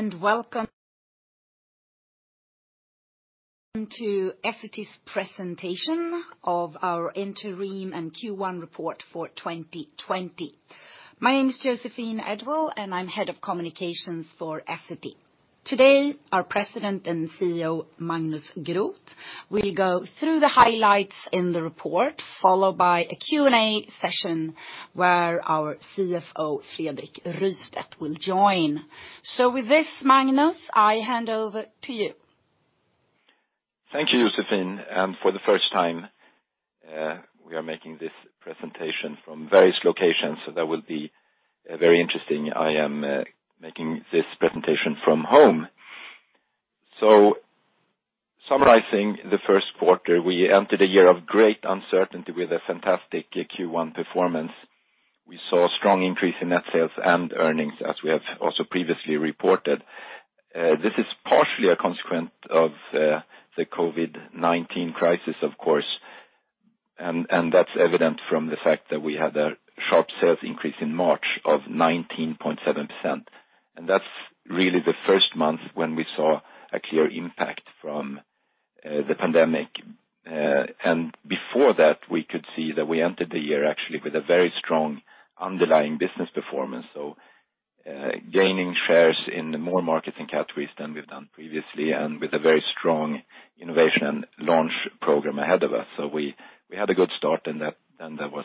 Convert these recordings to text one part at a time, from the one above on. Hello, and welcome to Essity's Presentation of our Interim and Q1 report for 2020. My name is Joséphine Edwall-Björklund, and I'm head of communications for Essity. Today, our President and CEO, Magnus Groth, will go through the highlights in the report, followed by a Q&A session where our CFO, Fredrik Rystedt, will join. With this, Magnus, I hand over to you. Thank you, Joséphine. For the first time, we are making this presentation from various locations, so that will be very interesting. I am making this presentation from home. Summarizing the first quarter, we entered a year of great uncertainty with a fantastic Q1 performance. We saw a strong increase in net sales and earnings, as we have also previously reported. This is partially a consequence of the COVID-19 crisis, of course, and that's evident from the fact that we had a sharp sales increase in March of 19.7%. That's really the first month when we saw a clear impact from the pandemic. Before that, we could see that we entered the year actually with a very strong underlying business performance. Gaining shares in more markets and categories than we've done previously and with a very strong innovation and launch program ahead of us. We had a good start, and that was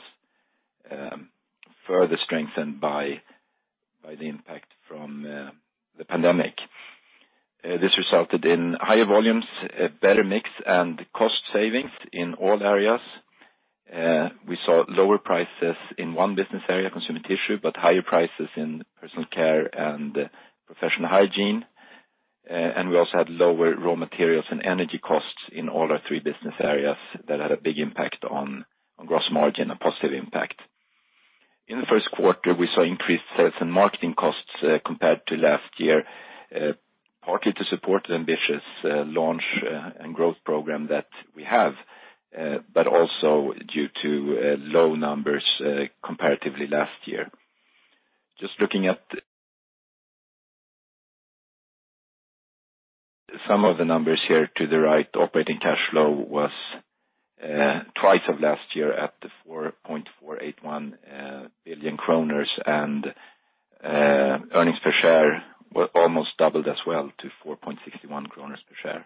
further strengthened by the impact from the pandemic. This resulted in higher volumes, a better mix, and cost savings in all areas. We saw lower prices in one business area, Consumer Tissue, but higher prices in Personal Care and Professional Hygiene. We also had lower raw materials and energy costs in all our three business areas that had a big impact on gross margin, a positive impact. In the first quarter, we saw increased sales and marketing costs compared to last year, partly to support the ambitious launch and growth program that we have, but also due to low numbers comparatively last year. Just looking at some of the numbers here to the right, operating cash flow was twice of last year at 4.481 billion kronor, and earnings per share were almost doubled as well to 4.61 kronor per share.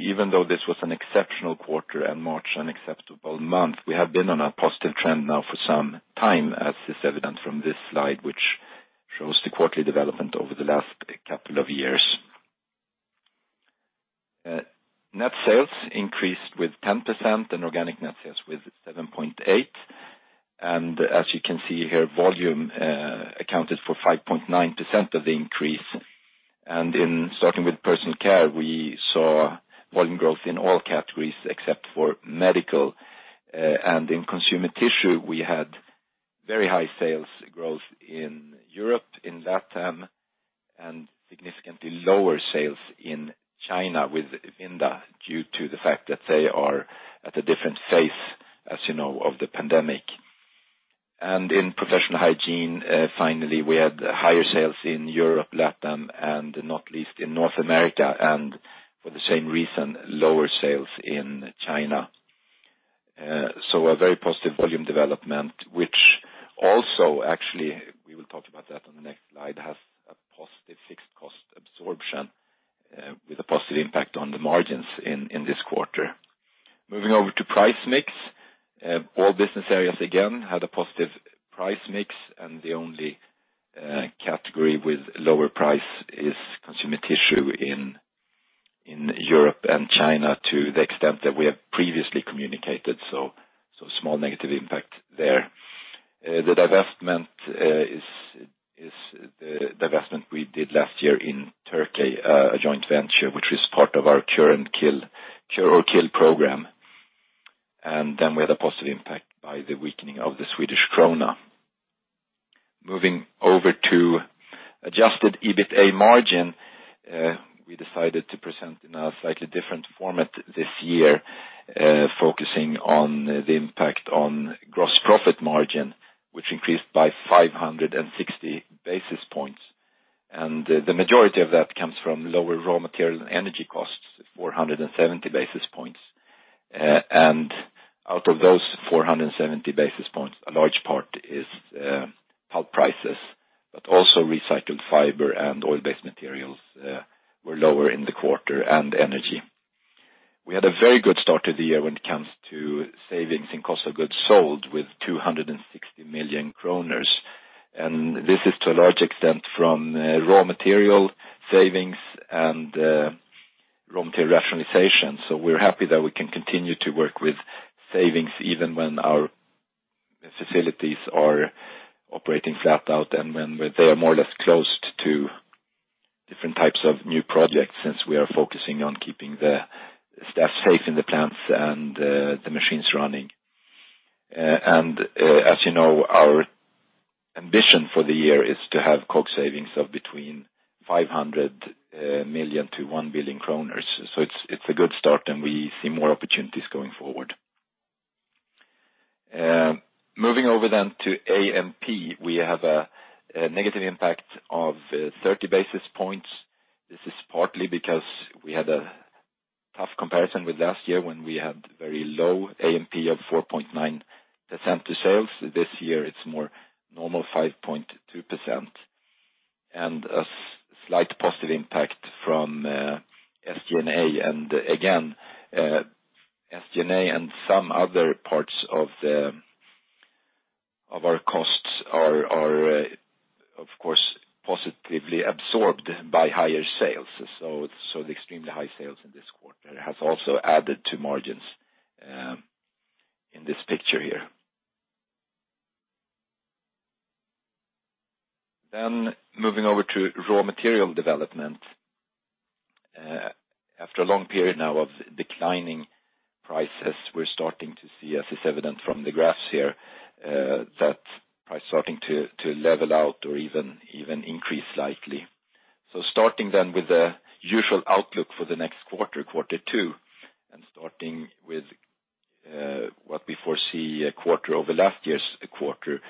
Even though this was an exceptional quarter and March an acceptable month, we have been on a positive trend now for some time, as is evident from this slide, which shows the quarterly development over the last couple of years. Net sales increased with 10% and organic net sales with 7.8%. As you can see here, volume accounted for 5.9% of the increase. In starting with Personal Care, we saw volume growth in all categories except for medical. In Consumer Tissue, we had very high sales growth in Europe, in LATAM, and significantly lower sales in China with Vinda due to the fact that they are at a different phase, as you know, of the pandemic. In Professional Hygiene, finally, we had higher sales in Europe, LATAM, and not least in North America, and for the same reason, lower sales in China. A very positive volume development, which also actually, we will talk about that on the next slide, has a positive fixed cost absorption with a positive impact on the margins in this quarter. Moving over to price mix. All business areas again had a positive price mix, and the only category with lower price is Consumer Tissue in Europe and China to the extent that we have previously communicated. Small negative impact there. The divestment is the divestment we did last year in Turkey, a joint venture, which is part of our Cure or Kill program. We had a positive impact by the weakening of the Swedish krona. Moving over to adjusted EBITA margin. We decided to present in a slightly different format this year, focusing on the impact on gross profit margin, which increased by 560 basis points. The majority of that comes from lower raw material and energy costs, 470 basis points. Out of those 470 basis points, a large part is pulp prices, but also recycled fiber and oil-based materials were lower in the quarter, and energy. We had a very good start to the year when it comes to savings in Cost of Goods Sold with 260 million kronor. This is to a large extent from raw material savings and raw material rationalization. We're happy that we can continue to work with savings even when our facilities are operating flat out and when they are more or less closed to different types of new projects, since we are focusing on keeping the staff safe in the plants and the machines running. As you know, our ambition for the year is to have COGS savings of between 500 million-1 billion kronor. It's a good start, and we see more opportunities going forward. Moving over to A&P, we have a negative impact of 30 basis points. This is partly because we had a tough comparison with last year when we had very low A&P of 4.9% to sales. This year it's more normal 5.2% and a slight positive impact from SG&A. Again, SG&A and some other parts of our costs are of course positively absorbed by higher sales. The extremely high sales in this quarter has also added to margins in this picture here. Moving over to raw material development. After a long period now of declining prices, we're starting to see, as is evident from the graphs here, that price starting to level out or even increase slightly. Starting then with the usual outlook for the next quarter two, starting with what we foresee a quarter over last year's quarter.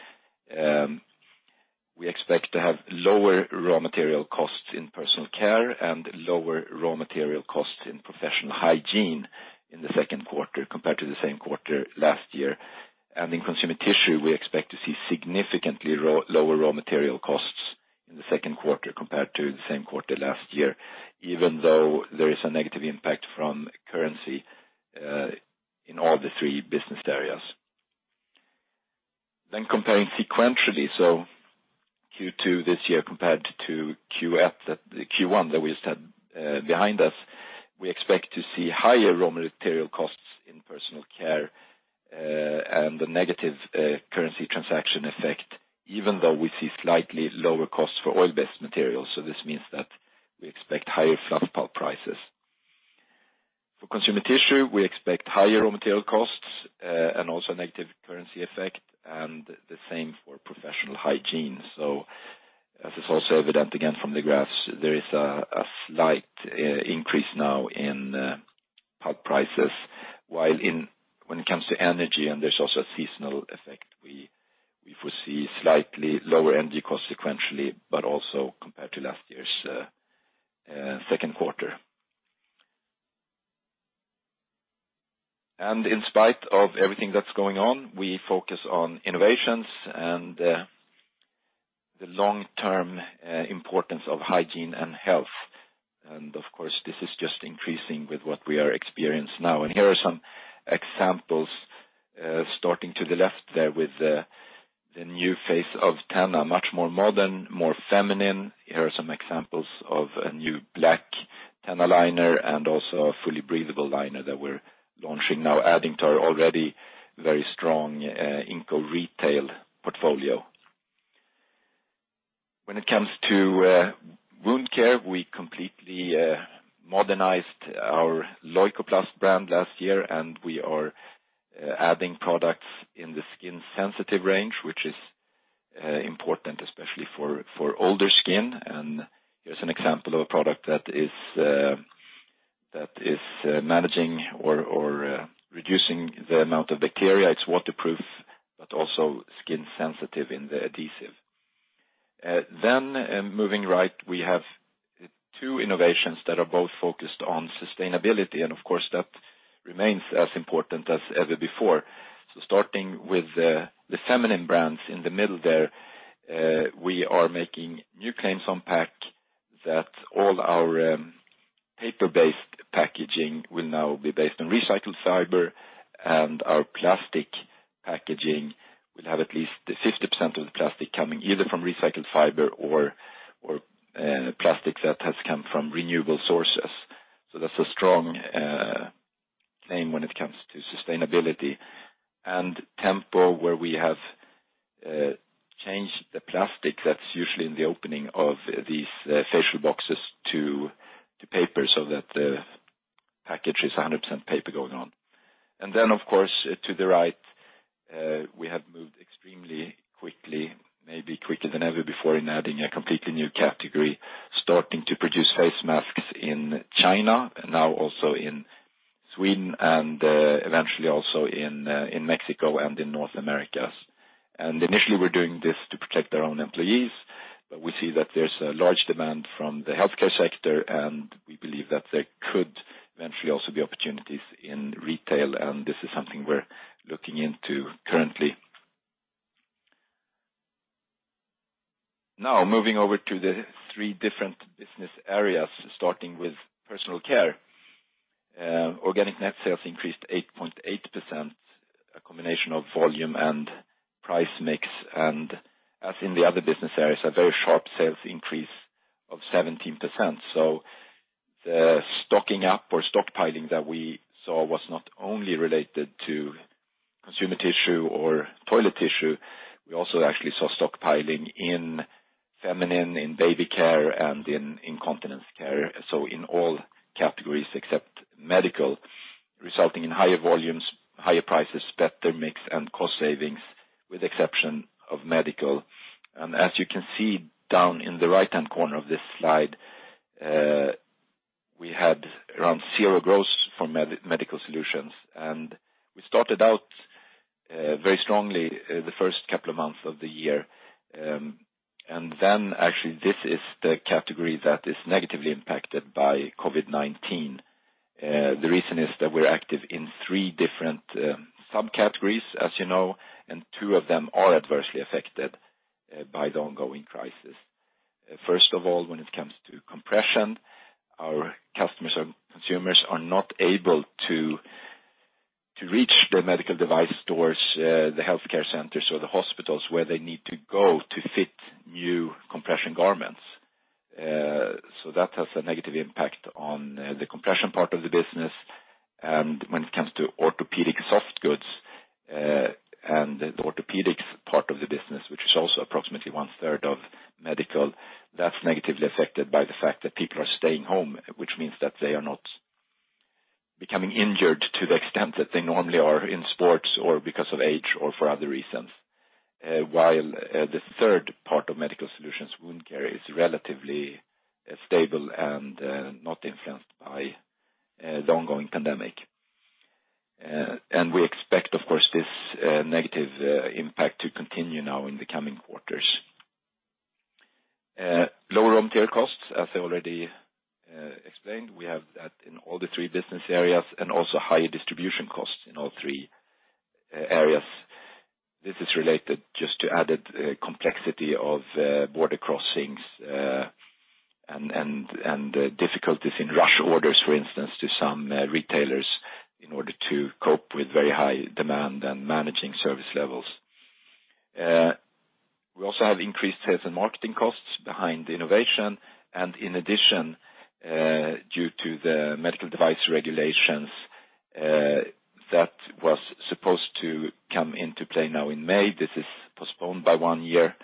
We expect to have lower raw material costs in Personal Care and lower raw material costs in Professional Hygiene in the second quarter compared to the same quarter last year. In Consumer Tissue, we expect to see significantly lower raw material costs in the second quarter compared to the same quarter last year, even though there is a negative impact from currency, in all the three business areas. Comparing sequentially, Q2 this year compared to Q1 that we just had behind us, we expect to see higher raw material costs in Personal Care and the negative currency transaction effect even though we see slightly lower costs for oil-based materials. This means that we expect higher fluff pulp prices. For Consumer Tissue, we expect higher raw material costs, and also negative currency effect, and the same for Professional Hygiene. As is also evident again from the graphs, there is a slight increase now in pulp prices while when it comes to energy and there's also a seasonal effect, we foresee slightly lower energy costs sequentially, but also compared to last year's second quarter. In spite of everything that's going on, we focus on innovations and the long-term importance of hygiene and health. Of course, this is just increasing with what we are experiencing now. Here are some examples, starting to the left there with the new face of TENA. Much more modern, more feminine. Here are some examples of a new black TENA liner and also a fully breathable liner that we're launching now, adding to our already very strong Inco retail portfolio. When it comes to wound care, we completely modernized our Leukoplast brand last year. We are adding products in the skin sensitive range, which is important especially for older skin. Here's an example of a product that is managing or reducing the amount of bacteria. It's waterproof, also skin sensitive in the adhesive. Moving right, we have two innovations that are both focused on sustainability. Of course, that remains as important as ever before. Starting with the feminine brands in the middle there, we are making new claims on pack that all our paper-based packaging will now be based on recycled fiber, and our plastic packaging will have at least 50% of the plastic coming either from recycled fiber or plastic that has come from renewable sources. Tempo, where we have changed the plastic that's usually in the opening of these facial boxes to paper so that the package is 100% paper going on. Then of course, to the right, we have moved extremely quickly, maybe quicker than ever before in adding a completely new category, starting to produce face masks in China, now also in Sweden, and eventually also in Mexico and in North America. Initially we're doing this to protect our own employees, but we see that there's a large demand from the healthcare sector, and we believe that there could eventually also be opportunities in retail, and this is something we're looking into currently. Moving over to the three different business areas, starting with Personal Care. Organic net sales increased 8.8%, a combination of volume and price mix, and as in the other business areas, a very sharp sales increase of 17%. The stocking up or stockpiling that we saw was not only related to Consumer Tissue or toilet tissue. We also actually saw stockpiling in feminine, in baby care, and in incontinence care. In all categories except Medical, resulting in higher volumes, higher prices, better mix, and cost savings with exception of Medical. As you can see down in the right-hand corner of this slide. We had around zero growth from Medical Solutions, and we started out very strongly the first couple of months of the year. Then actually, this is the category that is negatively impacted by COVID-19. The reason is that we're active in three different subcategories, as you know, and two of them are adversely affected by the ongoing crisis. First of all, when it comes to compression, our customers or consumers are not able to reach the medical device stores, the healthcare centers, or the hospitals where they need to go to fit new compression garments. That has a negative impact on the compression part of the business. When it comes to orthopedic soft goods and the orthopedic part of the business, which is also approximately one-third of medical, that's negatively affected by the fact that people are staying home. They are not becoming injured to the extent that they normally are in sports or because of age or for other reasons. While the third part of Medical Solutions, wound care, is relatively stable and not influenced by the ongoing pandemic. We expect, of course, this negative impact to continue now in the coming quarters. Lower raw material costs, as I already explained, we have that in all three business areas and also higher distribution costs in all three areas. This is related just to added complexity of border crossings and difficulties in rush orders, for instance, to some retailers in order to cope with very high demand and managing service levels. We also have increased sales and marketing costs behind innovation. In addition, due to the Medical Device Regulations that was supposed to come into play now in May. This is postponed by one year.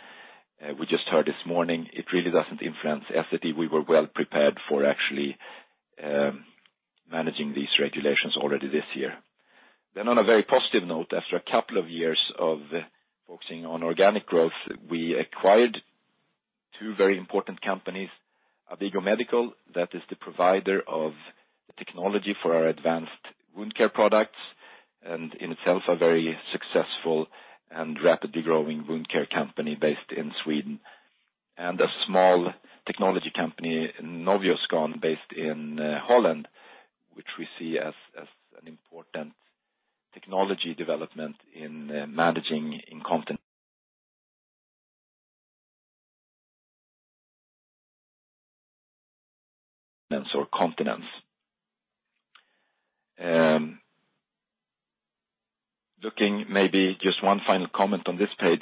We just heard this morning. It really doesn't influence Essity. We were well prepared for actually managing these regulations already this year. On a very positive note, after a couple of years of focusing on organic growth, we acquired two very important companies, ABIGO Medical, that is the provider of technology for our advanced wound care products, and in itself a very successful and rapidly growing wound care company based in Sweden. A small technology company, Novioscan, based in Holland, which we see as an important technology development in managing incontinence or continence. Looking maybe just one final comment on this page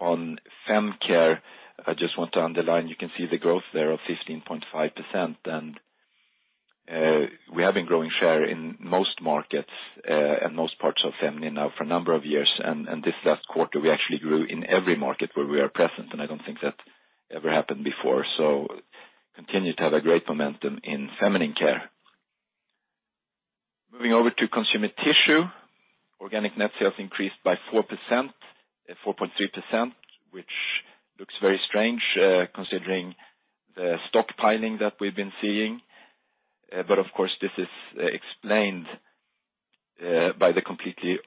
on Fem Care. I just want to underline, you can see the growth there of 15.5%. We have been growing share in most markets and most parts of feminine now for a number of years. This last quarter, we actually grew in every market where we are present, and I don't think that ever happened before. Continue to have a great momentum in feminine care. Moving over to Consumer Tissue. Organic net sales increased by 4.3%, which looks very strange considering the stockpiling that we've been seeing. Of course, this is explained by the completely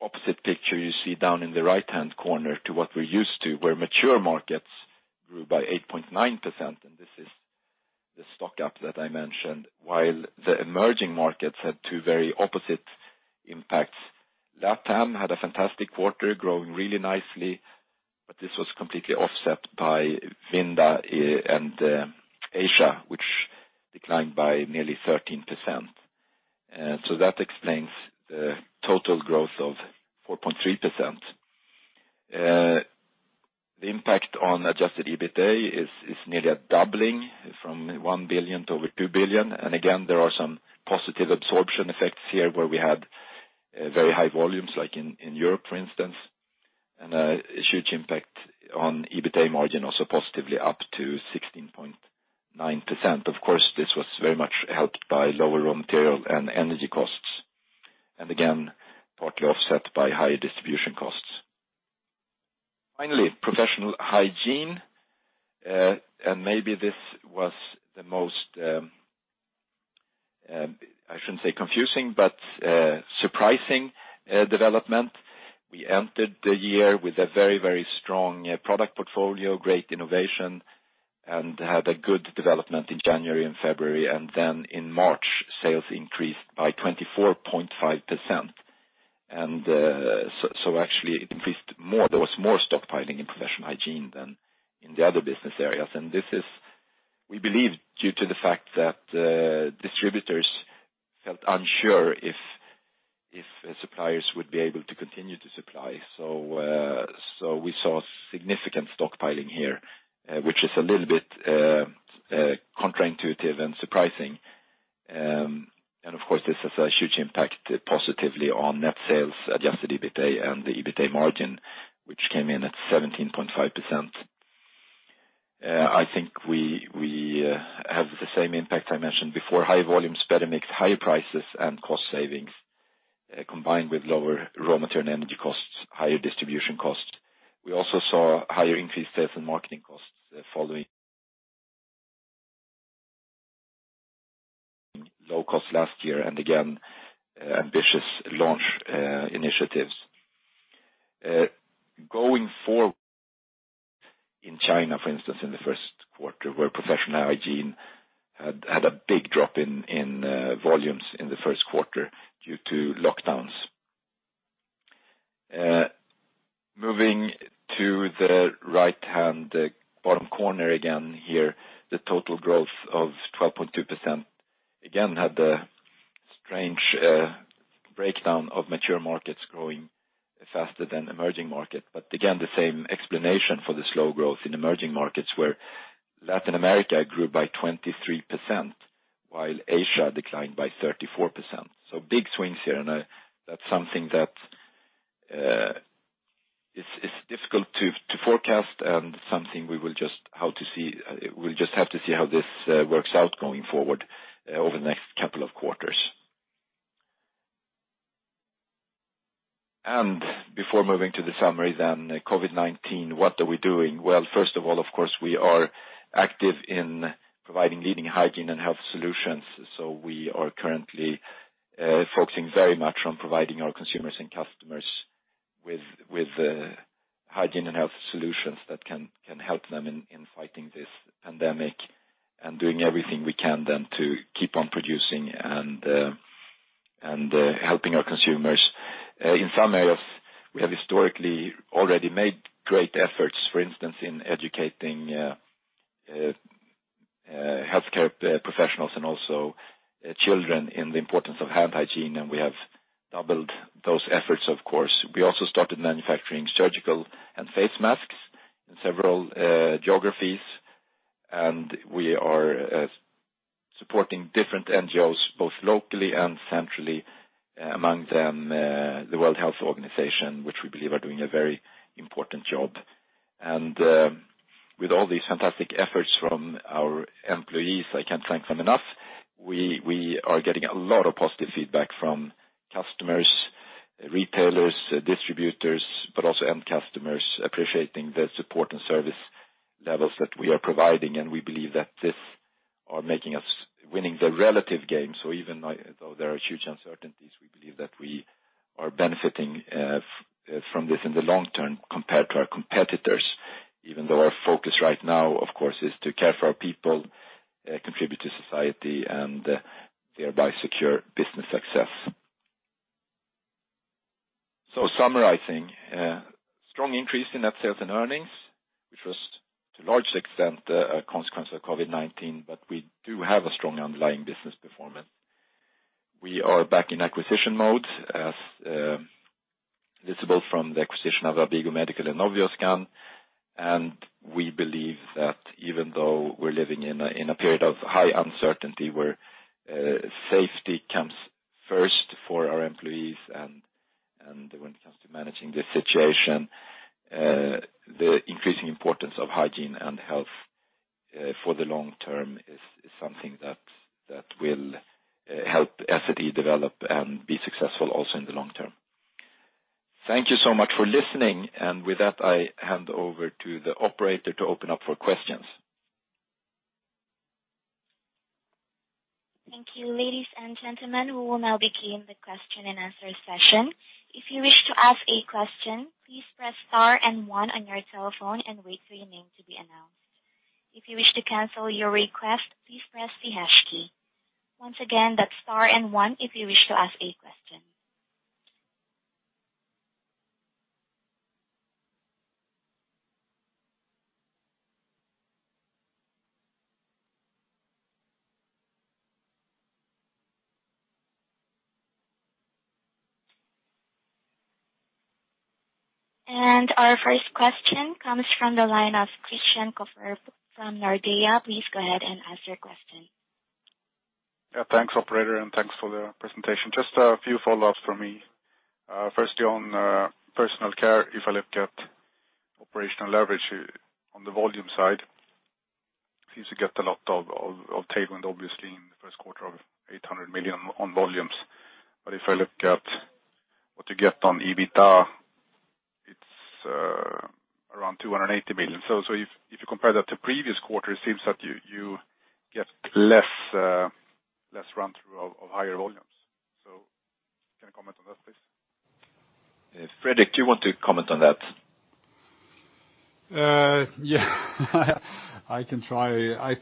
opposite picture you see down in the right-hand corner to what we're used to, where mature markets grew by 8.9%, and this is the stock-up that I mentioned, while the emerging markets had two very opposite impacts. LATAM had a fantastic quarter, growing really nicely, but this was completely offset by Vinda and Asia, which declined by nearly 13%. That explains the total growth of 4.3%. The impact on adjusted EBITA is nearly a doubling from 1 billion to over 2 billion. Again, there are some positive absorption effects here where we had very high volumes, like in Europe, for instance, and a huge impact on EBITA margin, also positively up to 16.9%. Of course, this was very much helped by lower raw material and energy costs, and again, partly offset by higher distribution costs. Finally, Professional Hygiene, maybe this was the most, I shouldn't say confusing, but surprising development. We entered the year with a very, very strong product portfolio, great innovation, and had a good development in January and February. In March, sales increased by 24.5%. Actually it increased more. There was more stockpiling in Professional Hygiene than in the other business areas. This is, we believe, due to the fact that distributors felt unsure if suppliers would be able to continue to supply. We saw significant stockpiling here, which is a little bit counterintuitive and surprising. Of course, this has a huge impact positively on net sales, adjusted EBITA and the EBITA margin, which came in at 17.5%. I think we have the same impact I mentioned before, high volumes, better mix, higher prices, and cost savings combined with lower raw material and energy costs, higher distribution costs. We also saw higher increased sales and marketing costs following low cost last year, and again, ambitious launch initiatives. In China, for instance, in the first quarter, where Professional Hygiene had a big drop in volumes in the first quarter due to lockdowns. Moving to the right-hand bottom corner again here, the total growth of 12.2% again had the strange breakdown of mature markets growing faster than emerging market. Again, the same explanation for the slow growth in emerging markets, where Latin America grew by 23%, while Asia declined by 34%. Big swings here, and that's something that is difficult to forecast and something we will just have to see how this works out going forward over the next couple of quarters. Before moving to the summary then, COVID-19, what are we doing? Well, first of all, of course, we are active in providing leading hygiene and health solutions. We are currently focusing very much on providing our consumers and customers with hygiene and health solutions that can help them in fighting this pandemic and doing everything we can then to keep on producing and helping our consumers. In some areas, we have historically already made great efforts, for instance, in educating healthcare professionals and also children in the importance of hand hygiene, and we have doubled those efforts, of course. We also started manufacturing surgical and face masks in several geographies, and we are supporting different NGOs, both locally and centrally, among them the World Health Organization, which we believe are doing a very important job. With all these fantastic efforts from our employees, I can't thank them enough. We are getting a lot of positive feedback from customers, retailers, distributors, but also end customers appreciating the support and service levels that we are providing, we believe that this are making us winning the relative game. Even though there are huge uncertainties, we believe that we are benefiting from this in the long term compared to our competitors, even though our focus right now, of course, is to care for our people, contribute to society, and thereby secure business success. Summarizing. Strong increase in net sales and earnings, which was, to a large extent, a consequence of COVID-19, we do have a strong underlying business performance. We are back in acquisition mode, as visible from the acquisition of ABIGO Medical and Novioscan. We believe that even though we're living in a period of high uncertainty where safety comes first for our employees and when it comes to managing this situation, the increasing importance of hygiene and health for the long term is something that will help Essity develop and be successful also in the long term. Thank you so much for listening. With that, I hand over to the operator to open up for questions. Thank you. Ladies and gentlemen, we will now begin the question and answer session. If you wish to ask a question, please press star and one on your telephone and wait for your name to be announced. If you wish to cancel your request, please press the hash key. Once again, that's star and one if you wish to ask a question. Our first question comes from the line of Christian Kopler from Nordea. Please go ahead and ask your question. Yeah, thanks, operator, and thanks for the presentation. Just a few follow-ups from me. Firstly on Personal Care, if I look at operational leverage on the volume side, seems to get a lot of tailwind, obviously, in the first quarter of 800 million on volumes. If I look at what you get on EBITDA, it's around 280 million. If you compare that to previous quarter, it seems that you get less run-through of higher volumes. Can you comment on that, please? Fredrik, do you want to comment on that? Yeah. I can try. I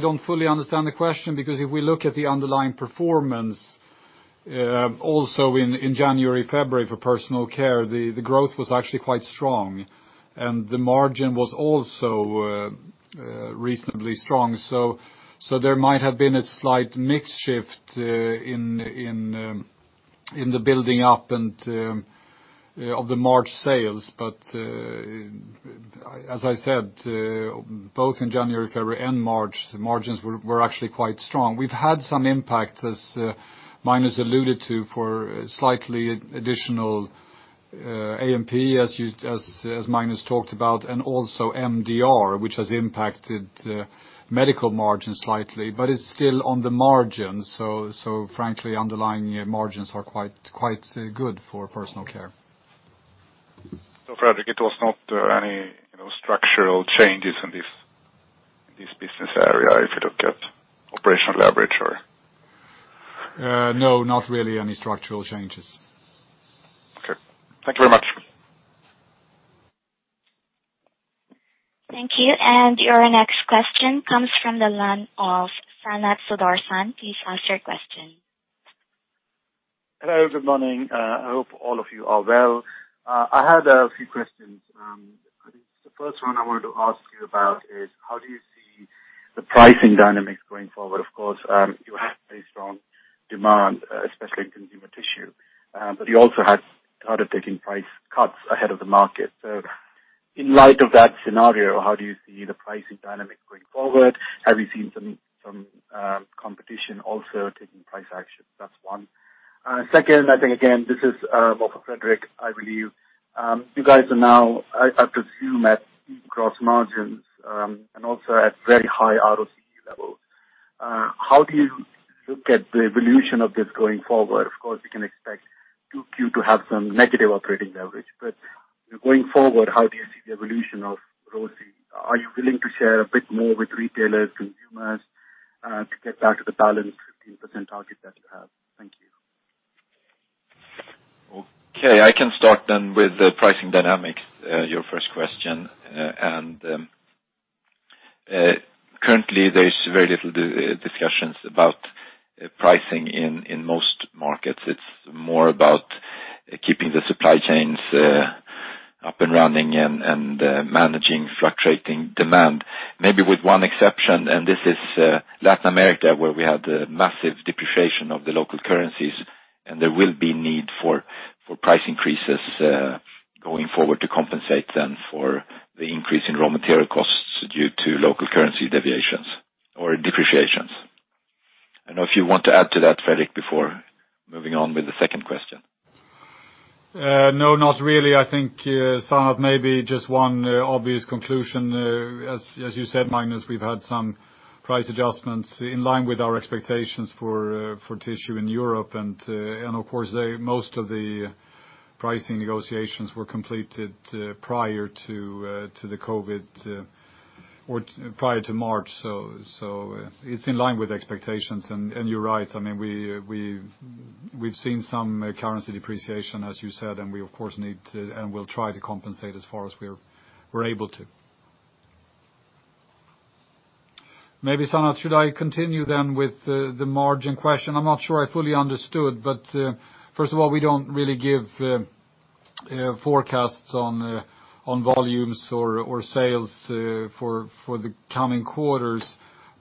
don't fully understand the question because if we look at the underlying performance, also in January, February for Personal Care, the growth was actually quite strong, and the margin was also reasonably strong. There might have been a slight mix shift in the building up of the March sales. As I said, both in January, February, and March, the margins were actually quite strong. We've had some impact, as Magnus alluded to, for slightly additional A&P, as Magnus talked about, and also MDR, which has impacted medical margin slightly, but it's still on the margin. Frankly, underlying margins are quite good for Personal Care. Fredrik, it was not any structural changes in this business area if you look at operational leverage? No, not really any structural changes. Okay. Thank you very much. Thank you. Your next question comes from the line of Sanath Sudarsan. Please ask your question. Hello, good morning. I hope all of you are well. I had a few questions. The first one I wanted to ask you about is how do you see the pricing dynamics going forward? Of course, you have a strong demand, especially in Consumer Tissue. You also had started taking price cuts ahead of the market. In light of that scenario, how do you see the pricing dynamic going forward? Have you seen some competition also taking price action? That's one. Second, again, this is more for Fredrik, I believe. You guys are now, I presume, at gross margins, and also at very high ROCE levels. How do you look at the evolution of this going forward? Of course, we can expect 2Q to have some negative operating leverage. Going forward, how do you see the evolution of ROCE? Are you willing to share a bit more with retailers, consumers, to get back to the balanced 15% target that you have? Thank you. Okay, I can start with the pricing dynamics, your first question. Currently there's very little discussions about pricing in most markets. It's more about keeping the supply chains up and running and managing fluctuating demand. Maybe with one exception, this is Latin America where we had massive depreciation of the local currencies, and there will be need for price increases going forward to compensate then for the increase in raw material costs due to local currency deviations or depreciations. I don't know if you want to add to that, Fredrik, before moving on with the second question. No, not really. I think, Sanath, maybe just one obvious conclusion, as you said, Magnus, we've had some price adjustments in line with our expectations for tissue in Europe. Of course, most of the pricing negotiations were completed prior to the COVID-19 or prior to March. It's in line with expectations. You're right, we've seen some currency depreciation, as you said, and we'll try to compensate as far as we're able to. Maybe, Sanath, should I continue then with the margin question? I'm not sure I fully understood, first of all, we don't really give forecasts on volumes or sales for the coming quarters.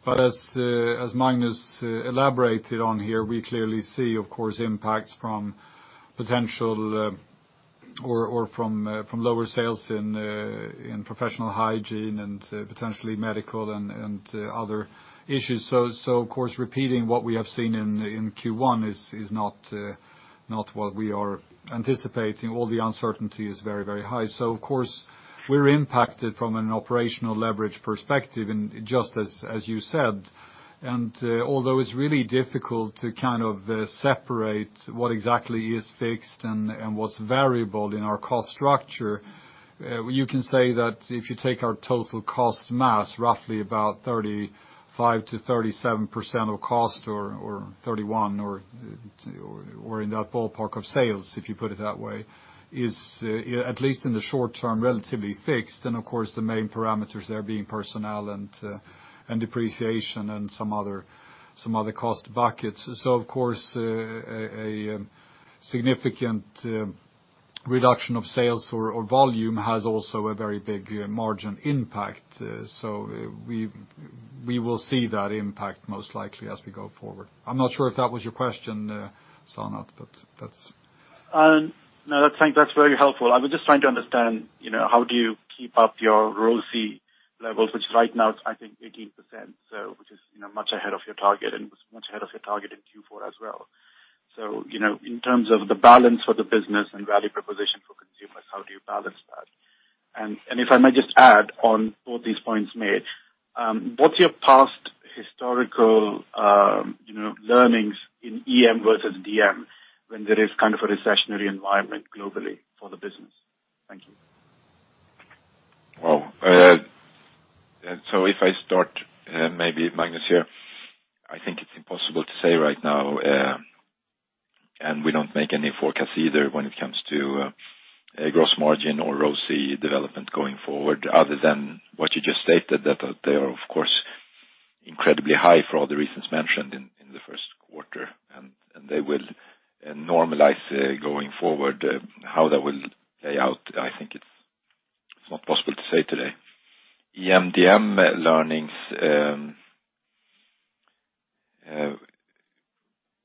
As Magnus elaborated on here, we clearly see, of course, impacts from potential or from lower sales in Professional Hygiene and potentially medical and other issues. Of course, repeating what we have seen in Q1 is not what we are anticipating. All the uncertainty is very, very high. Of course, we're impacted from an operational leverage perspective and just as you said. Although it's really difficult to separate what exactly is fixed and what's variable in our cost structure, you can say that if you take our total cost mass, roughly about 35%-37% of cost or 31% or in that ballpark of sales, if you put it that way, is, at least in the short term, relatively fixed. Of course, the main parameters there being personnel and depreciation and some other cost buckets. Of course, a significant reduction of sales or volume has also a very big margin impact. We will see that impact most likely as we go forward. I'm not sure if that was your question, Sanath, but that's- No, that's very helpful. I was just trying to understand, how do you keep up your ROCE levels, which right now is I think 18%, which is much ahead of your target and was much ahead of your target in Q4 as well. In terms of the balance for the business and value proposition for consumers, how do you balance that? If I may just add on both these points made, what's your past historical learnings in EM versus DM when there is a recessionary environment globally for the business? Thank you. If I start maybe, Magnus, here, I think it's impossible to say right now, and we don't make any forecasts either when it comes to gross margin or ROCE development going forward other than what you just stated, that they are of course incredibly high for all the reasons mentioned in the first quarter, and they will normalize going forward. How that will play out, I think it's not possible to say today. EM/DM learnings,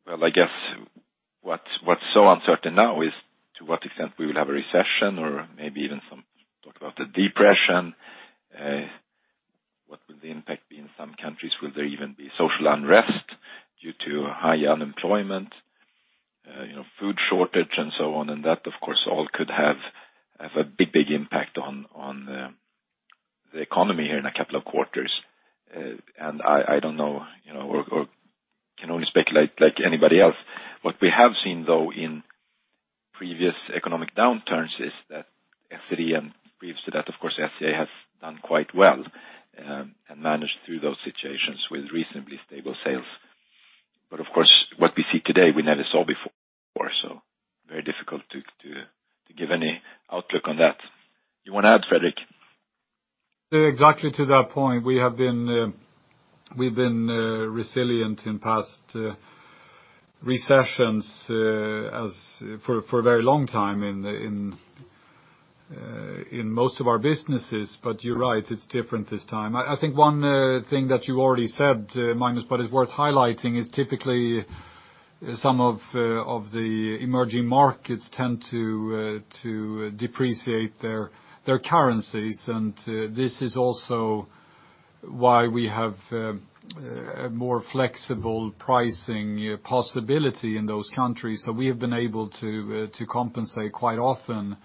well, I guess what's so uncertain now is to what extent we will have a recession or maybe even some talk about a depression. Will the impact be in some countries? Will there even be social unrest due to high unemployment, food shortage and so on? That, of course, all could have a big impact on the economy here in a couple of quarters. I don't know, or can only speculate like anybody else. What we have seen though in previous economic downturns is that Essity, and previous to that, of course, SCA has done quite well, and managed through those situations with reasonably stable sales. Of course, what we see today, we never saw before. Very difficult to give any outlook on that. You want to add, Fredrik? Exactly to that point. We've been resilient in past recessions for a very long time in most of our businesses. You're right, it's different this time. I think one thing that you already said, Magnus, but it's worth highlighting is typically some of the emerging markets tend to depreciate their currencies. This is also why we have a more flexible pricing possibility in those countries. We have been able to compensate quite often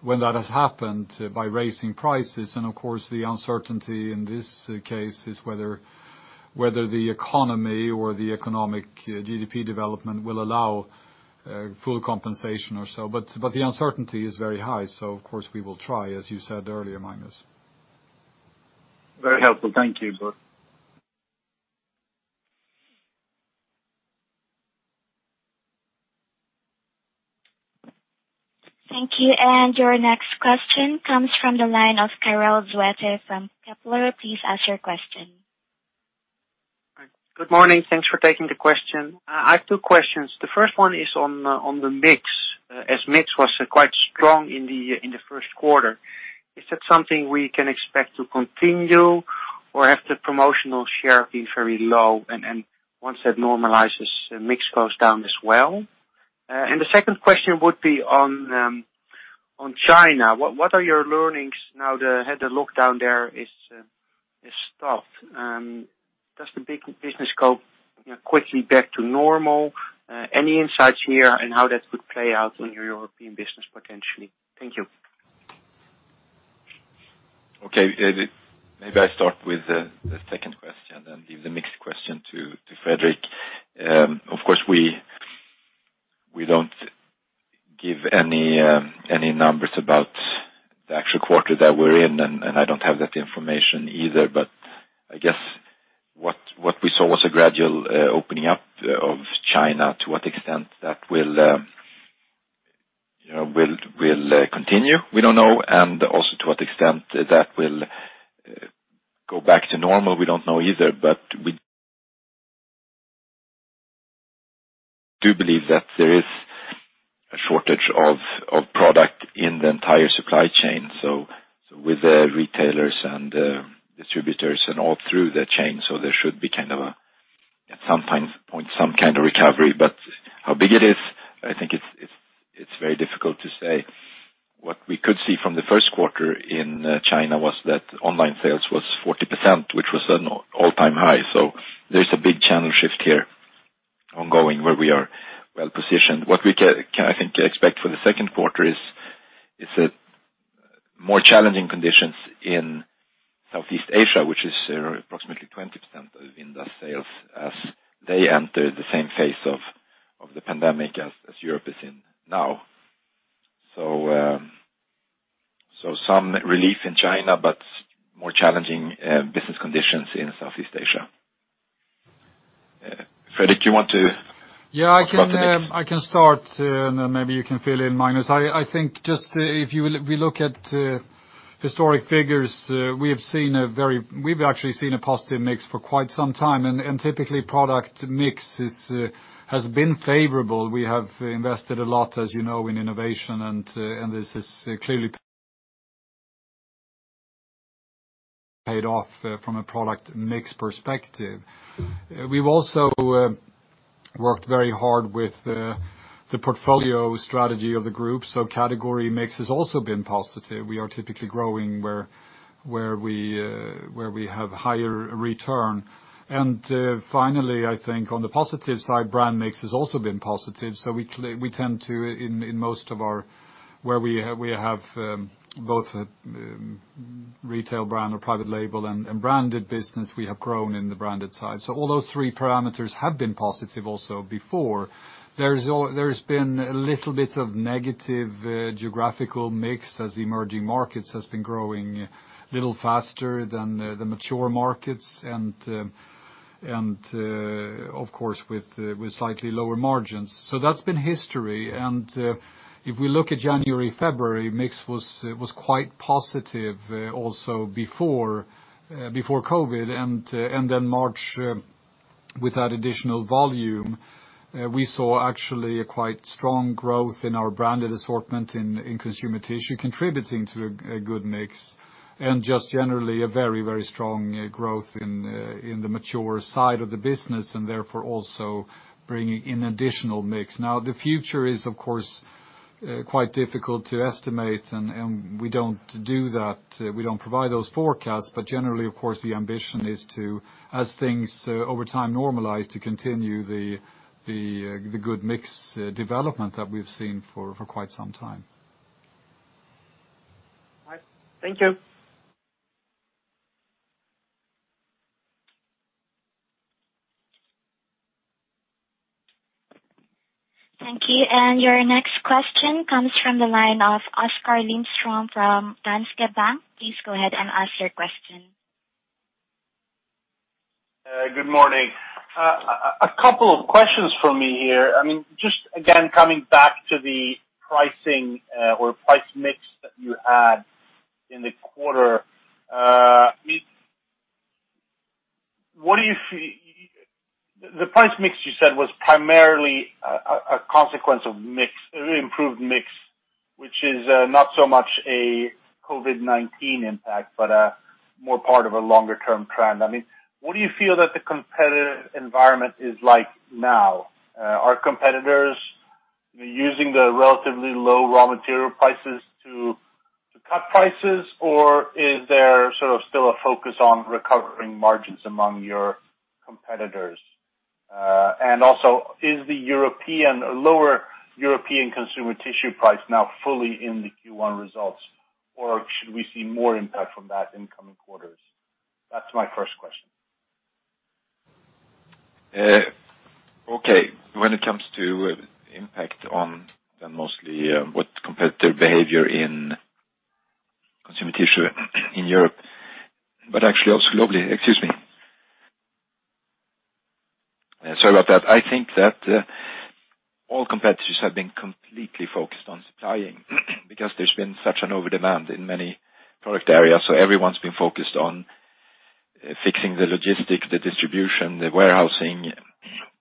when that has happened by raising prices. Of course, the uncertainty in this case is whether the economy or the economic GDP development will allow full compensation or so. The uncertainty is very high. Of course, we will try, as you said earlier, Magnus. Very helpful. Thank you both. Thank you. Your next question comes from the line of Karel Zoete from Kepler. Please ask your question. Good morning. Thanks for taking the question. I have two questions. The first one is on the mix, as mix was quite strong in the first quarter. Is that something we can expect to continue? Or has the promotional share been very low and, once that normalizes, mix goes down as well? The second question would be on China. What are your learnings now they had the lockdown there is stopped? Does the big business go quickly back to normal? Any insights here and how that could play out on your European business potentially? Thank you. Okay. Maybe I start with the second question, then leave the mix question to Fredrik. Of course, we don't give any numbers about the actual quarter that we're in, and I don't have that information either. I guess what we saw was a gradual opening up of China. To what extent that will continue, we don't know. Also to what extent that will go back to normal, we don't know either. We do believe that there is a shortage of product in the entire supply chain, so with the retailers and distributors and all through the chain. There should be, at some point, some kind of recovery. How big it is, I think it's very difficult to say. What we could see from the first quarter in China was that online sales was 40%, which was an all-time high. There's a big channel shift here ongoing where we are well-positioned. What we can, I think, expect for the second quarter is more challenging conditions in Southeast Asia, which is approximately 20% of Vinda sales as they enter the same phase of the pandemic as Europe is in now. Some relief in China, but more challenging business conditions in Southeast Asia. Fredrik, you want to- Yeah, I can start, and maybe you can fill in, Magnus. I think just if we look at historic figures, we've actually seen a positive mix for quite some time. Typically, product mix has been favorable. We have invested a lot, as you know, in innovation, and this has clearly paid off from a product mix perspective. We've also worked very hard with the portfolio strategy of the group. Category mix has also been positive. We are typically growing where we have higher return. Finally, I think on the positive side, brand mix has also been positive. Where we have both retail brand or private label and branded business, we have grown in the branded side. All those three parameters have been positive also before. There's been a little bit of negative geographical mix as emerging markets has been growing a little faster than the mature markets, and of course, with slightly lower margins. That's been history. If we look at January, February, mix was quite positive also before COVID-19. March, with that additional volume, we saw actually a quite strong growth in our branded assortment in Consumer Tissue contributing to a good mix. In the mature side of the business, and therefore also bringing in additional mix. Now, the future is, of course, quite difficult to estimate, and we don't do that. We don't provide those forecasts. Generally, of course, the ambition is to, as things over time normalize, to continue the good mix development that we've seen for quite some time. All right. Thank you. Thank you. Your next question comes from the line of Oskar Lindström from Danske Bank. Please go ahead and ask your question. Good morning. A couple of questions from me here. Just again, coming back to the pricing or price mix that you had in the quarter. The price mix you said was primarily a consequence of improved mix, which is not so much a COVID-19 impact, but more part of a longer-term trend. What do you feel that the competitive environment is like now? Are competitors using the relatively low raw material prices to cut prices, or is there still a focus on recovering margins among your competitors? Also, is the lower European Consumer Tissue price now fully in the Q1 results, or should we see more impact from that in coming quarters? That's my first question. Okay. When it comes to impact on mostly what competitive behavior in Consumer Tissue in Europe, actually also globally. Excuse me. Sorry about that. I think that all competitors have been completely focused on supplying because there's been such an over-demand in many product areas. Everyone's been focused on fixing the logistics, the distribution, the warehousing,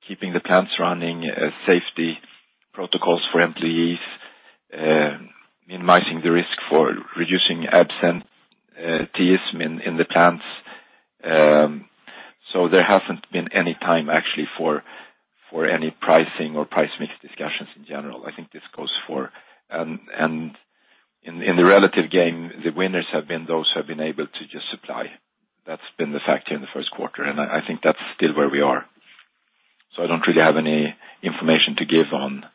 keeping the plants running, safety protocols for employees, minimizing the risk for reducing absenteeism in the plants. There hasn't been any time actually for any pricing or price mix discussions in general. In the relative game, the winners have been those who have been able to just supply. That's been the factor in the first quarter, and I think that's still where we are. I don't really have any information to give on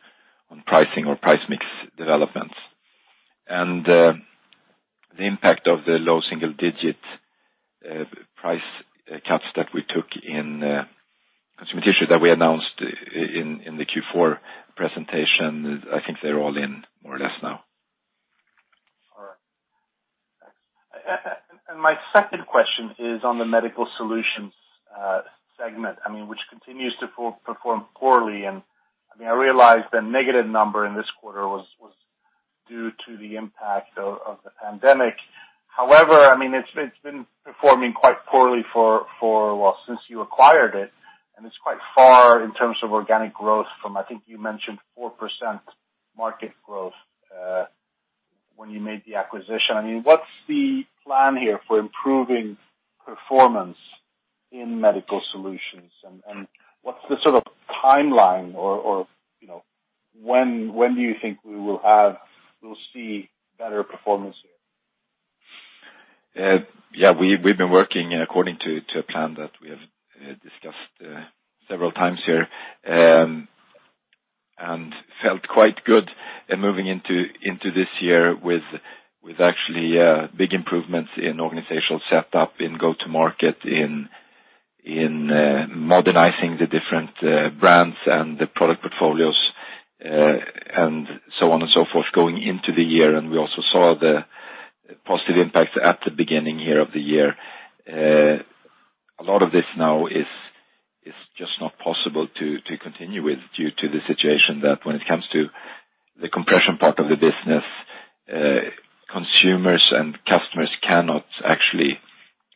pricing or price mix developments. The impact of the low single-digit price cuts that we took in Consumer Tissue that we announced in the Q4 presentation, I think they're all in more or less now. All right. My second question is on the Medical Solutions segment, which continues to perform poorly. I realize the negative number in this quarter was due to the impact of the pandemic. However, it's been performing quite poorly since you acquired it, and it's quite far in terms of organic growth from, I think you mentioned 4% market growth when you made the acquisition. What's the plan here for improving performance in Medical Solutions? What's the sort of timeline, or when do you think we will see better performance here? Yeah, we've been working according to a plan that we have discussed several times here and felt quite good moving into this year with actually big improvements in organizational setup, in go-to-market, in modernizing the different brands and the product portfolios, and so on and so forth going into the year. We also saw the positive impact at the beginning of the year. A lot of this now is just not possible to continue with, due to the situation that when it comes to the compression part of the business, consumers and customers cannot actually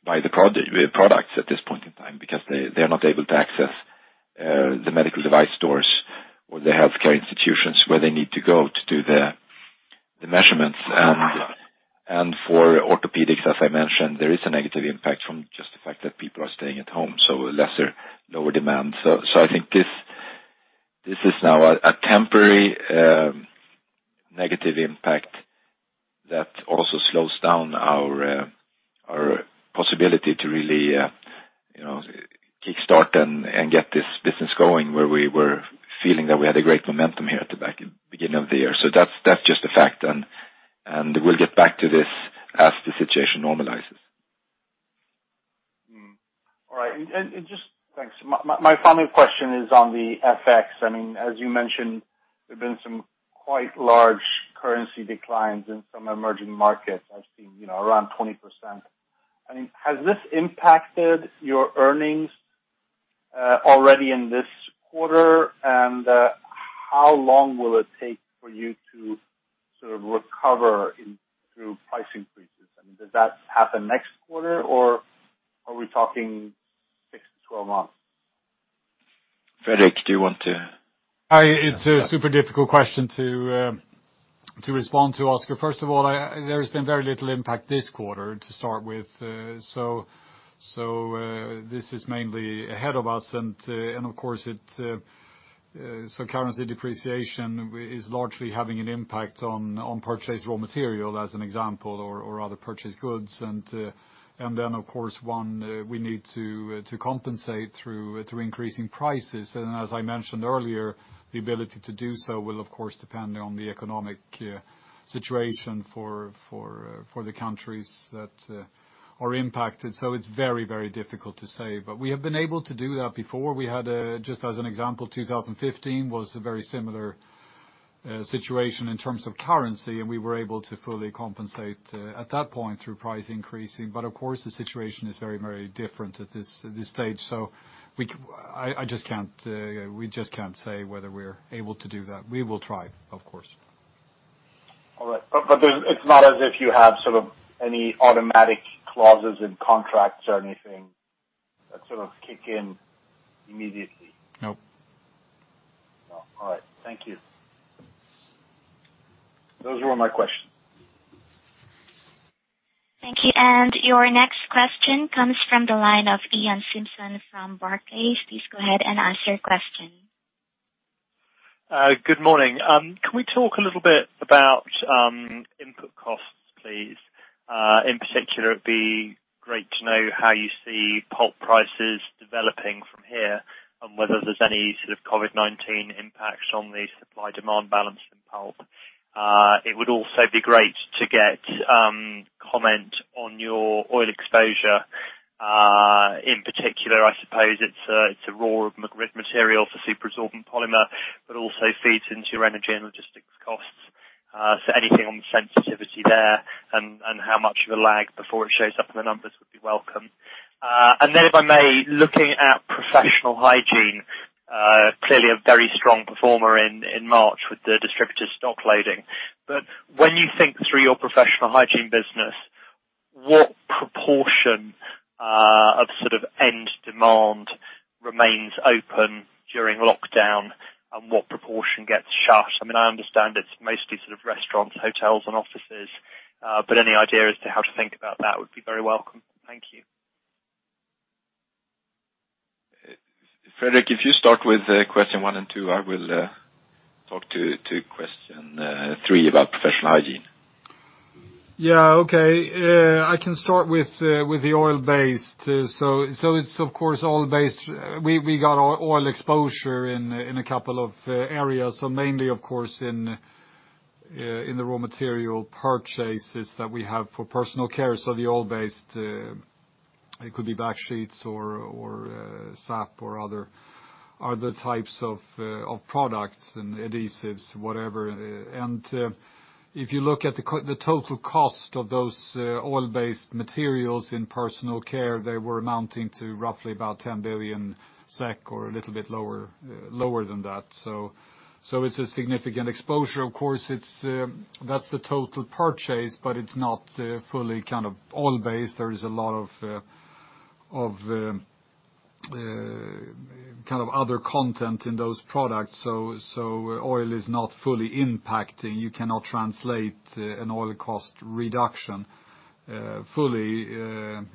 buy the products at this point in time because they're not able to access the medical device stores or the healthcare institutions where they need to go to do the measurements. For orthopedics, as I mentioned, there is a negative impact from just the fact that people are staying at home, so lesser, lower demand. I think this is now a temporary negative impact that also slows down our possibility to really kickstart and get this business going, where we were feeling that we had a great momentum here at the back, beginning of the year. That's just a fact, and we'll get back to this as the situation normalizes. All right. Thanks. My final question is on the FX. As you mentioned, there have been some quite large currency declines in some emerging markets. I've seen around 20%. Has this impacted your earnings already in this quarter? How long will it take for you to recover through price increases? Does that happen next quarter, or are we talking 6-12 months? Fredrik, do you want to? It's a super difficult question to respond to, Oskar. First of all, there's been very little impact this quarter to start with. This is mainly ahead of us, and of course, currency depreciation is largely having an impact on purchased raw material, as an example, or other purchased goods. Of course, one we need to compensate through increasing prices. As I mentioned earlier, the ability to do so will, of course, depend on the economic situation for the countries that are impacted. It's very difficult to say. We have been able to do that before. We had, just as an example, 2015 was a very similar situation in terms of currency, and we were able to fully compensate at that point through price increasing. Of course, the situation is very different at this stage. We just can't say whether we're able to do that. We will try, of course. All right. it's not as if you have any automatic clauses in contracts or anything that sort of kick in immediately? No. No. All right. Thank you. Those were all my questions. Thank you. Your next question comes from the line of Iain Simpson from Barclays. Please go ahead and ask your question. Good morning. Can we talk a little bit about input costs, please? In particular, it'd be great to know how you see pulp prices developing from here, and whether there's any sort of COVID-19 impacts on the supply-demand balance from pulp. It would also be great to get comment on your oil exposure. In particular, I suppose it's a raw material for superabsorbent polymer, but also feeds into your energy and logistics costs. Anything on sensitivity there, and how much of a lag before it shows up in the numbers would be welcome. If I may, looking at Professional Hygiene, clearly a very strong performer in March with the distributors stock loading. When you think through your Professional Hygiene business, what proportion of end demand remains open during lockdown and what proportion gets shut? I understand it's mostly restaurants, hotels, and offices, but any idea as to how to think about that would be very welcome. Thank you. Fredrik, if you start with question one and two, I will talk to question three about Professional Hygiene. Yeah. Okay. I can start with the oil-based. It's of course, oil-based. We got oil exposure in a couple of areas, so mainly, of course, in the raw material purchases that we have for personal care. The oil-based, it could be back sheets or SAP or other types of products and adhesives, whatever. If you look at the total cost of those oil-based materials in personal care, they were amounting to roughly about 10 billion SEK or a little bit lower than that. It's a significant exposure. Of course, that's the total purchase, but it's not fully oil-based. There is a lot of other content in those products. Oil is not fully impacting. You cannot translate an oil cost reduction fully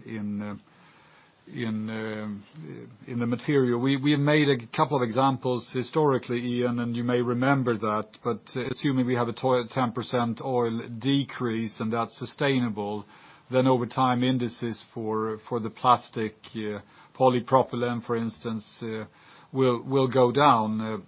in the material. We have made a couple of examples historically, Iain, and you may remember that. assuming we have a 10% oil decrease and that's sustainable, then over time, indices for the plastic polypropylene, for instance, will go down.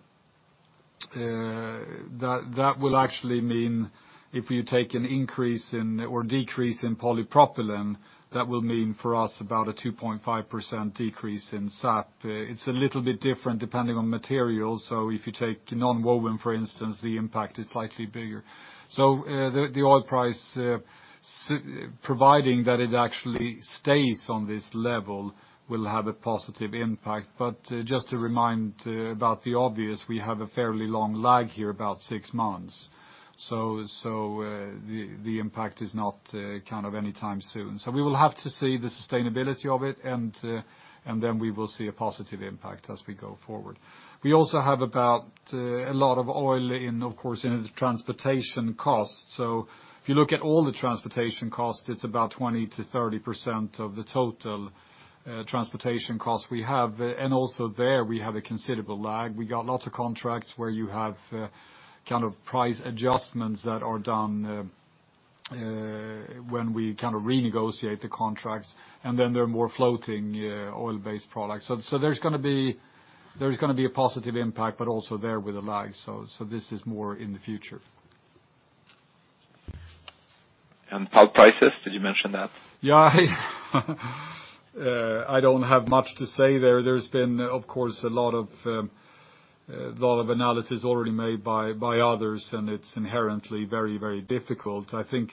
That will actually mean if you take an increase or decrease in polypropylene, that will mean for us about a 2.5% decrease in SAP. It's a little bit different depending on materials. if you take nonwoven, for instance, the impact is slightly bigger. the oil price, providing that it actually stays on this level, will have a positive impact. just to remind about the obvious, we have a fairly long lag here, about six months. the impact is not anytime soon. we will have to see the sustainability of it, and then we will see a positive impact as we go forward. We also have about a lot of oil in, of course, in the transportation cost. If you look at all the transportation cost, it's about 20%-30% of the total transportation cost we have. Also there, we have a considerable lag. We got lots of contracts where you have price adjustments that are done when we renegotiate the contracts, and then there are more floating oil-based products. There's going to be a positive impact, but also there with a lag. This is more in the future. Pulp prices, did you mention that? Yeah. I don't have much to say there. There's been, of course, a lot of analysis already made by others, and it's inherently very difficult. I think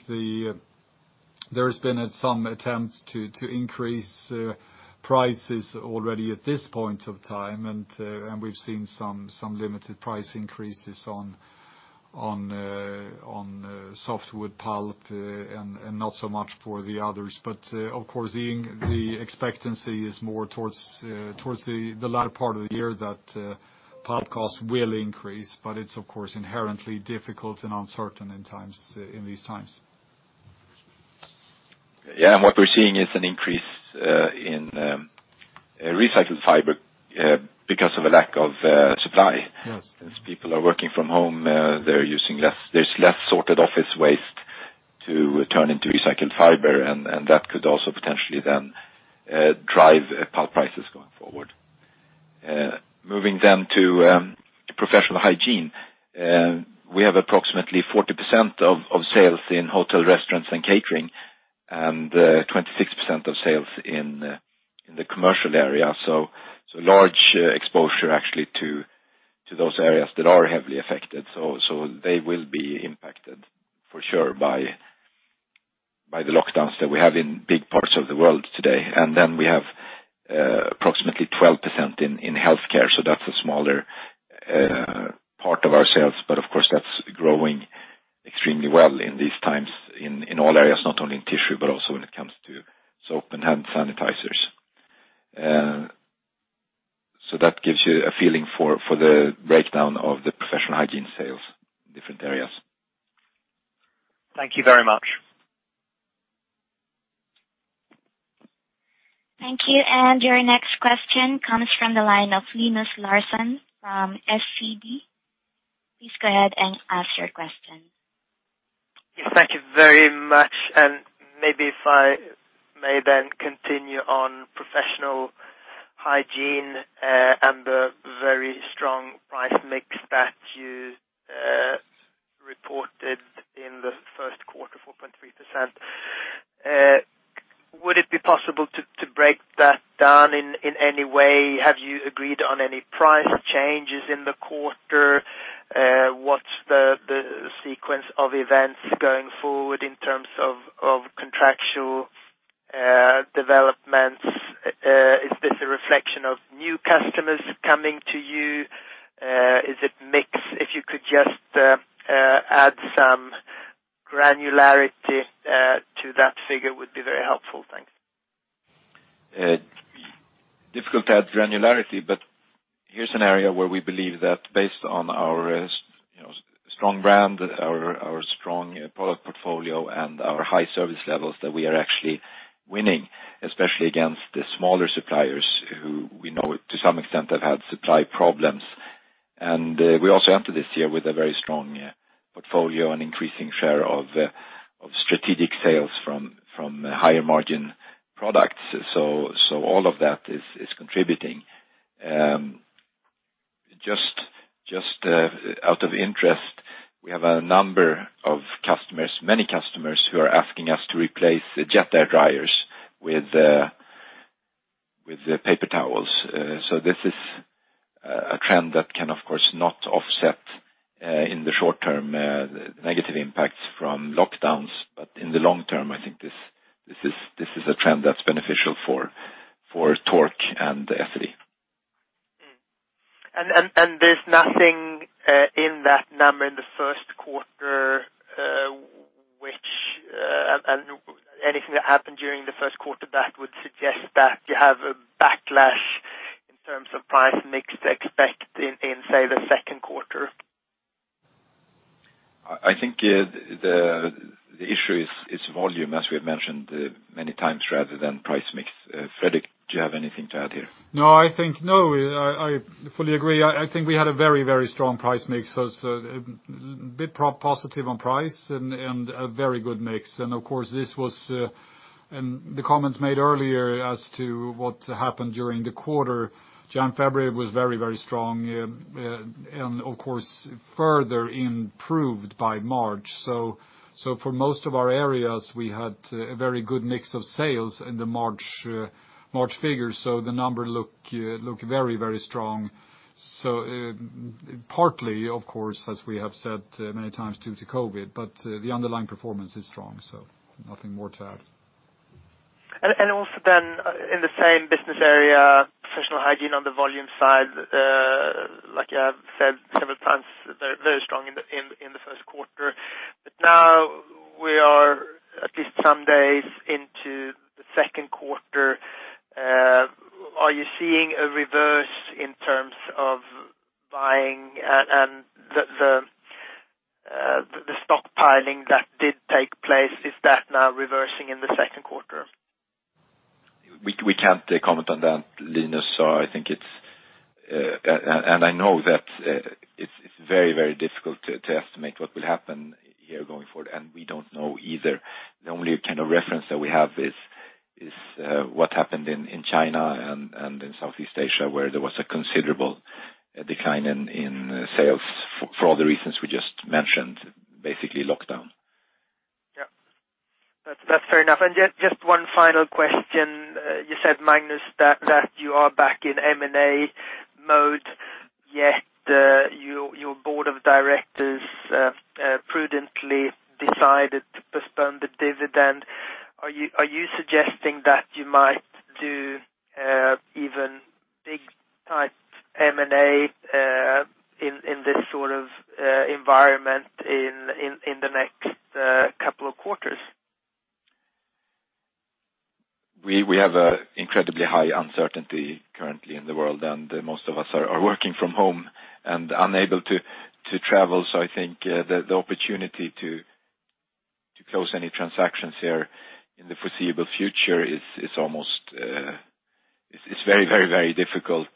there's been some attempt to increase prices already at this point of time, and we've seen some limited price increases on softwood pulp and not so much for the others. Of course, the expectancy is more towards the latter part of the year that pulp costs will increase, but it's inherently difficult and uncertain in these times. Yeah. what we're seeing is an increase in recycled fiber because of a lack of supply. Yes. Since people are working from home, there's less sorted office waste to turn into recycled fiber, and that could also potentially then drive pulp prices going forward. Moving then to Professional Hygiene. We have approximately 40% of sales in hotel restaurants and catering, and 26% of sales in the commercial area. Large exposure actually to those areas that are heavily affected. They will be impacted for sure by the lockdowns that we have in big parts of the world today. We have approximately 12% in healthcare, so that's a smaller part of our sales, but of course that's growing extremely well in these times in all areas, not only in tissue, but also when it comes to soap and hand sanitizers. That gives you a feeling for the breakdown of the Professional Hygiene sales in different areas. Thank you very much. Thank you. Your next question comes from the line of Linus Larsson from SEB. Please go ahead and ask your question. Thank you very much. Maybe if I may then continue on Professional Hygiene and the very strong price mix that you reported in the first quarter, 4.3%. Would it be possible to break that down in any way? Have you agreed on any price changes in the quarter? What's the sequence of events going forward in terms of contractual developments? Is this a reflection of new customers coming to you? Is it mix? If you could just add some granularity to that figure would be very helpful. Thanks. Difficult to add granularity, but here's an area where we believe that based on our strong brand, our strong product portfolio, and our high service levels, that we are actually winning, especially against the smaller suppliers who we know to some extent have had supply problems. we also entered this year with a very strong portfolio and increasing share of strategic sales from higher margin products. all of that is contributing. Just out of interest, we have a number of customers, many customers who are asking us to replace the jet air dryers with paper towels. this is a trend that can of course not offset in the short term negative impacts from lockdowns, but in the long term, I think this is a trend that's beneficial for Tork and Essity. There's nothing in that number in the first quarter, and anything that happened during the first quarter that would suggest that you have a backlash in terms of price mix to expect in, say, the second quarter? I think the issue is volume, as we have mentioned many times, rather than price mix. Fredrik, do you have anything to add here? No, I think no. I fully agree. I think we had a very strong price mix. It's a bit positive on price and a very good mix. Of course, the comments made earlier as to what happened during the quarter, Jan, February was very strong, and of course, further improved by March. For most of our areas, we had a very good mix of sales in the March figures, so the number look very strong. Partly, of course, as we have said many times, due to COVID, but the underlying performance is strong, so nothing more to add. also then in the same business area, Professional Hygiene on the volume side, like you have said several times, very strong in the first quarter. now we are at least some days into the second quarter. Are you seeing a reverse in terms of buying and the stockpiling that did take place? Is that now reversing in the second quarter? We can't comment on that, Linus. I know that it's very difficult to estimate what will happen here going forward. We don't know either. The only kind of reference that we have is what happened in China and in Southeast Asia, where there was a considerable decline in sales for all the reasons we just mentioned, basically lockdown. Yeah. That's fair enough. Just one final question. You said, Magnus, that you are back in M&A mode, yet your board of directors prudently decided to postpone the dividend. Are you suggesting that you might do even big-type M&A in this sort of environment in the next couple of quarters? We have an incredibly high uncertainty currently in the world, and most of us are working from home and unable to travel. I think the opportunity to close any transactions here in the foreseeable future is very difficult.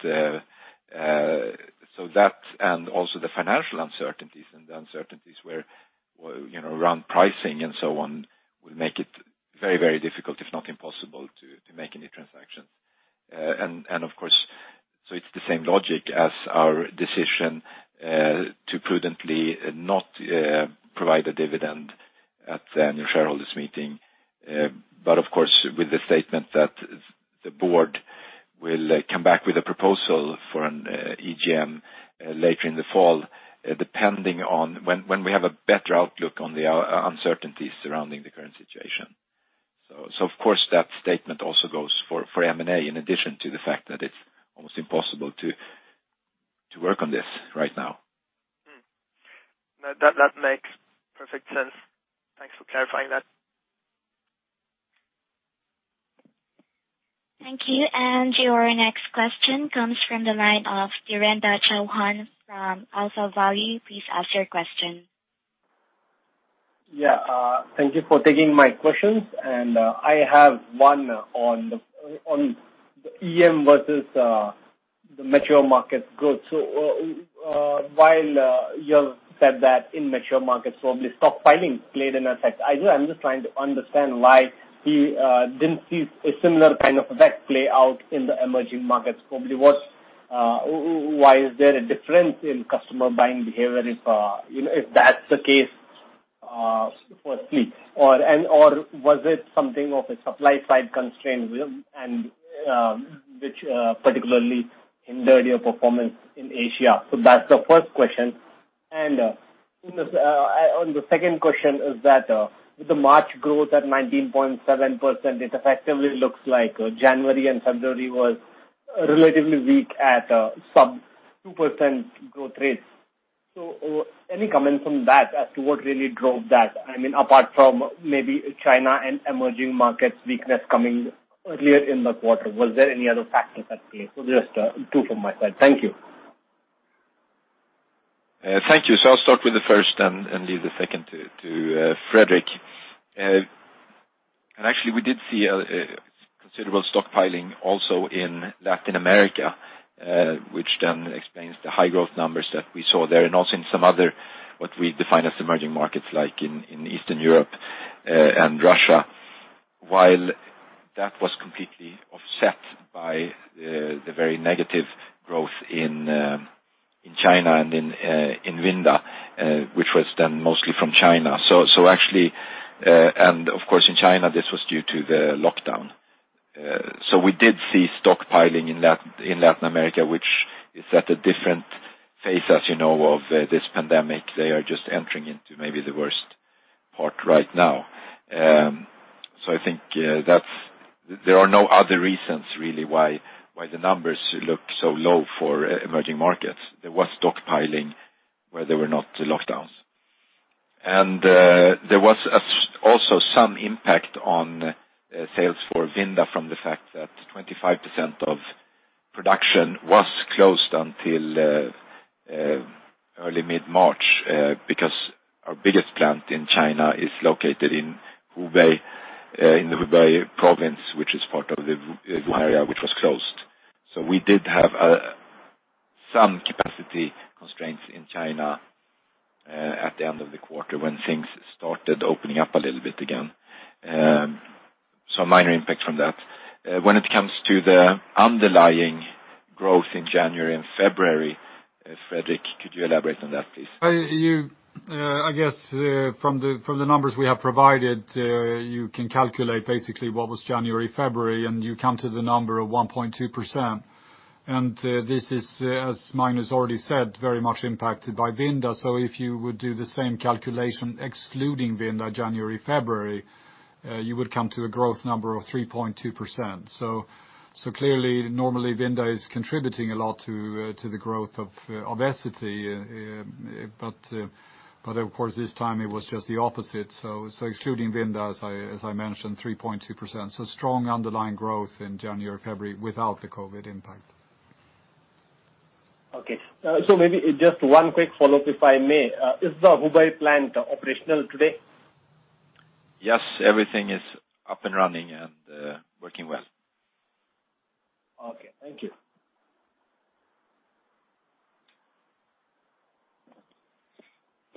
That, and also the financial uncertainties and the uncertainties around pricing and so on, will make it very difficult, if not impossible, to make any transactions. It's the same logic as our decision to prudently not provide a dividend at the annual shareholders meeting. With the statement that the board will come back with a proposal for an EGM later in the fall, depending on when we have a better outlook on the uncertainties surrounding the current situation. That statement also goes for M&A, in addition to the fact that it's almost impossible to work on this right now. That makes perfect sense. Thanks for clarifying that. Thank you. Your next question comes from the line of Virendra Singh Chauhan from AlphaValue. Please ask your question. Yeah. Thank you for taking my questions, and I have one on the EM versus the mature market growth. While you said that in mature markets probably stockpiling played an effect, I'm just trying to understand why we didn't see a similar kind of effect play out in the emerging markets probably. Why is there a difference in customer buying behavior if that's the case? Firstly, or was it something of a supply side constraint and which particularly hindered your performance in Asia? That's the first question. On the second question is that with the March growth at 19.7%, it effectively looks like January and February was relatively weak at sub 2% growth rates. Any comment from that as to what really drove that? I mean, apart from maybe China and emerging markets weakness coming earlier in the quarter, was there any other factors at play? just two from my side. Thank you. Thank you. I'll start with the first and leave the second to Fredrik. Actually, we did see a considerable stockpiling also in Latin America, which then explains the high growth numbers that we saw there and also in some other, what we define as emerging markets like in Eastern Europe and Russia. While that was completely offset by the very negative growth in China and in Vinda which was then mostly from China. Of course, in China, this was due to the lockdown. We did see stockpiling in Latin America, which is at a different phase as you know, of this pandemic. They are just entering into maybe the worst part right now. I think there are no other reasons really why the numbers look so low for emerging markets. There was stockpiling where there were not lockdowns. there was also some impact on sales for Vinda from the fact that 25% of production was closed until early mid-March, because our biggest plant in China is located in Hubei province, which is part of the Wuhan, which was closed. we did have some capacity constraints in China at the end of the quarter when things started opening up a little bit again. a minor impact from that. When it comes to the underlying growth in January and February, Fredrik, could you elaborate on that, please? I guess from the numbers we have provided, you can calculate basically what was January, February, and you come to the number of 1.2%. This is, as Magnus already said, very much impacted by Vinda. If you would do the same calculation excluding Vinda, January, February, you would come to a growth number of 3.2%. Clearly, normally, Vinda is contributing a lot to the growth of Essity, but of course, this time it was just the opposite. Excluding Vinda, as I mentioned, 3.2%. Strong underlying growth in January, February without the COVID impact. Okay. Maybe just one quick follow-up, if I may. Is the Hubei plant operational today? Yes, everything is up and running and working well. Okay. Thank you.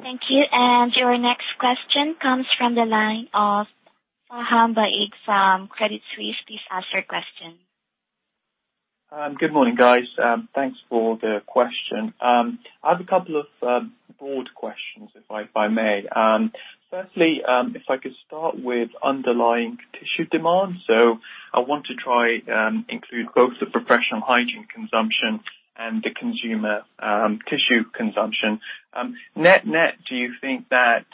Thank you. Your next question comes from the line of Faham Baig from Credit Suisse. Please ask your question. Good morning, guys. Thanks for the question. I have a couple of broad questions, if I may. Firstly, if I could start with underlying tissue demand. I want to try and include both the Professional Hygiene consumption and the Consumer Tissue consumption. Net net, do you think that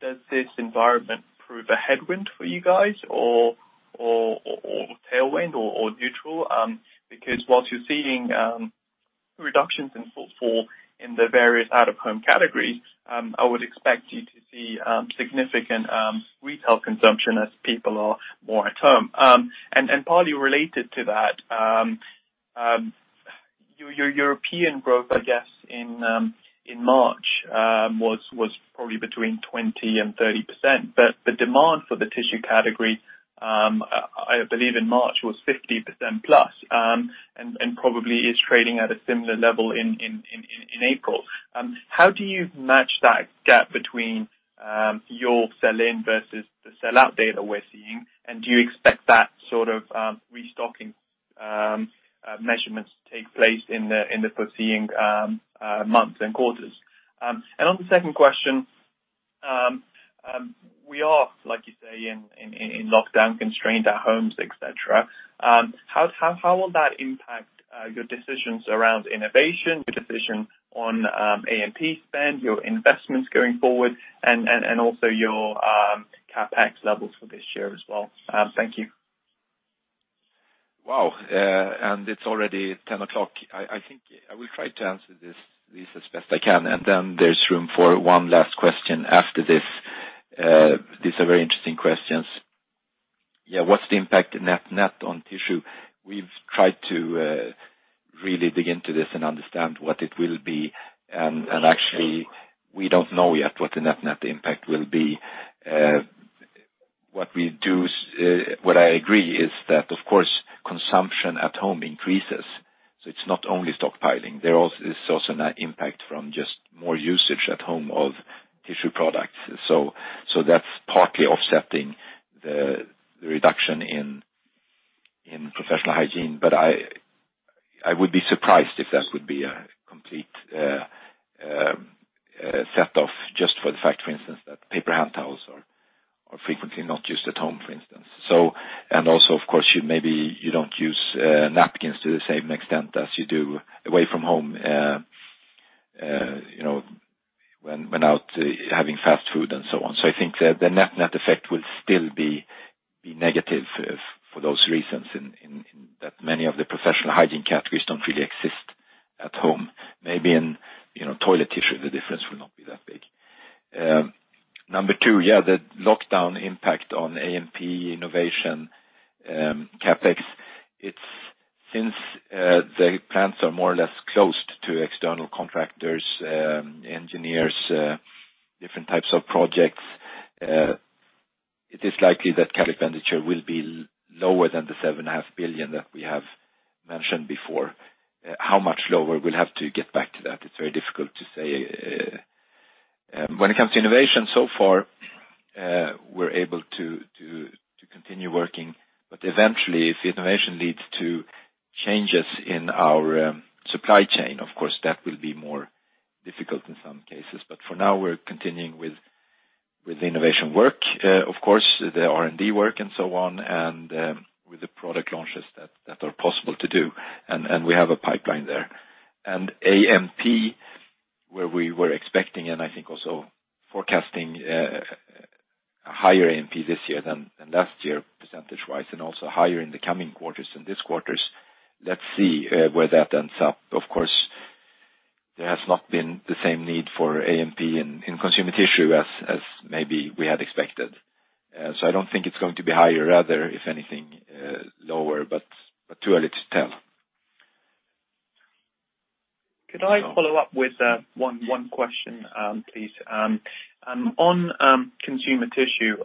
does this environment prove a headwind for you guys or tailwind or neutral? Because while you're seeing reductions in footfall in the various out-of-home categories, I would expect you to see significant retail consumption as people are more at home. Partly related to that, your European growth, I guess in March was probably between 20% and 30%, but the demand for the tissue category, I believe in March was 50% plus, and probably is trading at a similar level in April. How do you match that gap between your sell-in versus the sell-out data we're seeing? Do you expect that sort of restocking measurements to take place in the foreseeing months and quarters? On the second question, we are, like you say, in lockdown, constrained at homes, et cetera. How will that impact your decisions around innovation, your decision on A&P spend, your investments going forward, and also your CapEx levels for this year as well? Thank you. Wow. It's already 10 o'clock. I think I will try to answer this as best I can, and then there's room for one last question after this. These are very interesting questions. Yeah. What's the impact net on tissue? We've tried to really dig into this and understand what it will be. Actually, we don't know yet what the net impact will be. What I agree is that, of course, consumption at home increases. It's not only stockpiling, there is also an impact from just more usage at home of tissue products. That's partly offsetting the reduction in Professional Hygiene. I would be surprised if that would be a complete set off just for the fact, for instance, that paper hand towels are frequently not used at home, for instance. Also, of course, maybe you don't use napkins to the same extent as you do away from home, when out having fast food and so on. I think the net effect will still be negative for those reasons in that many of the Professional Hygiene categories don't really exist at home. Maybe in toilet tissue, the difference will not be that big. Number two. Yeah, the lockdown impact on A&P innovation, CapEx. Since the plants are more or less closed to external contractors, engineers, different types of projects, it is likely that capital expenditure will be lower than the 7.5 billion that we have mentioned before. How much lower? We'll have to get back to that. It's very difficult to say. When it comes to innovation so far, we're able to continue working, but eventually, if innovation leads to changes in our supply chain, of course that will be more difficult in some cases. For now, we're continuing with innovation work. Of course, the R&D work and so on, and with the product launches that are possible to do. We have a pipeline there. A&P, where we were expecting, and I think also forecasting a higher A&P this year than last year, percentage-wise, and also higher in the coming quarters than this quarters. Let's see where that ends up. Of course, there has not been the same need for A&P in Consumer Tissue as maybe we had expected. I don't think it's going to be higher. Rather, if anything, lower, but too early to tell. Could I follow up with one question please? On Consumer Tissue,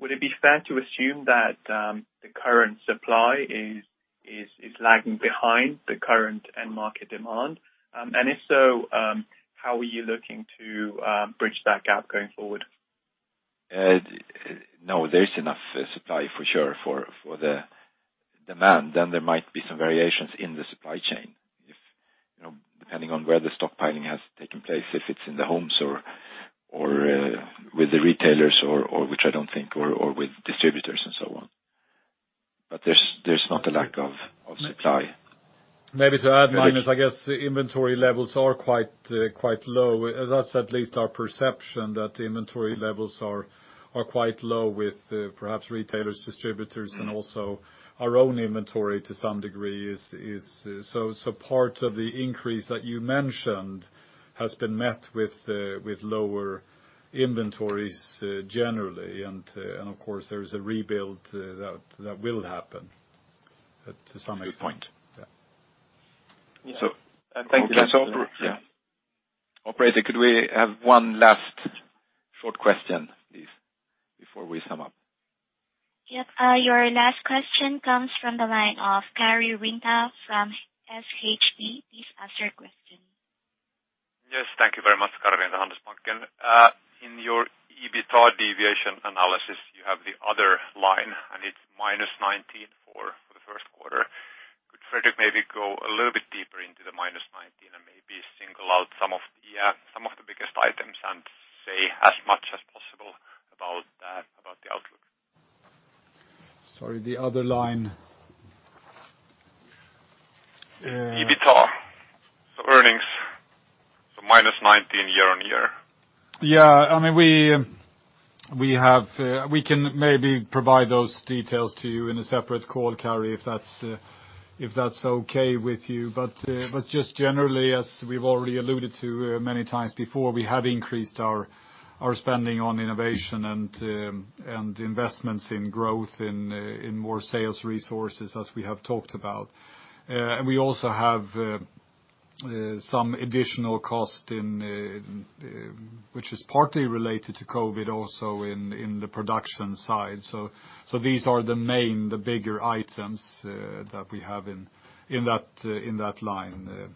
would it be fair to assume that the current supply is lagging behind the current end market demand? If so, how are you looking to bridge that gap going forward? No, there's enough supply for sure for the demand. There might be some variations in the supply chain if, depending on where the stockpiling has taken place, if it's in the homes or with the retailers, which I don't think, or with distributors and so on. There's not a lack of supply. Maybe to add, Magnus, I guess inventory levels are quite low. That's at least our perception, that inventory levels are quite low with perhaps retailers, distributors, and also our own inventory to some degree is. Part of the increase that you mentioned has been met with lower inventories generally. Of course, there is a rebuild that will happen at some point. At this point. Yeah. Okay. Operator, could we have one last short question, please, before we sum up? Yep. Your last question comes from the line of Karri Rinta from Handelsbanken. Please ask your question. Yes. Thank you very much, Karri Rinta, Handelsbanken. In your EBITDA deviation analysis, you have the other line, and it's -19 for the first quarter. Could Fredrik maybe go a little bit deeper into the -19 and maybe single out some of the biggest items and say as much as possible about Sorry, the other line. EBITA. Earnings, so -19% year-on-year. Yeah. We can maybe provide those details to you in a separate call, Karri, if that's okay with you. Just generally, as we've already alluded to many times before, we have increased our spending on innovation and investments in growth in more sales resources as we have talked about. We also have some additional cost which is partly related to COVID also in the production side. These are the main, the bigger items that we have in that line.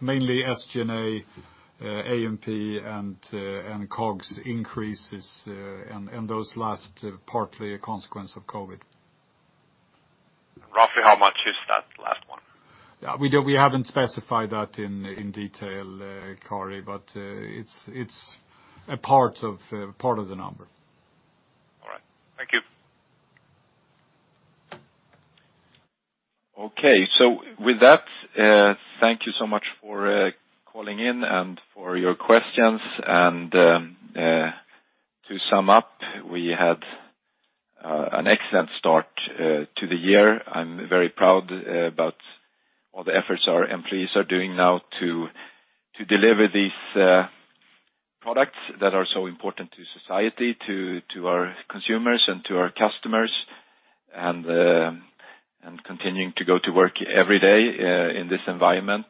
Mainly SG&A, A&P, and COGS increases, and those last partly a consequence of COVID. Roughly how much is that last one? We haven't specified that in detail, Karri, but it's a part of the number. All right. Thank you. Okay. With that, thank you so much for calling in and for your questions. To sum up, we had an excellent start to the year. I'm very proud about all the efforts our employees are doing now to deliver these products that are so important to society, to our consumers, and to our customers, and continuing to go to work every day in this environment.